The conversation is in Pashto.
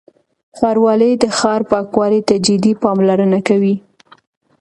ښاروالۍ د ښار پاکوالي ته جدي پاملرنه کوي.